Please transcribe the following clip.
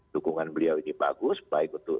dukungan beliau ini bagus baik untuk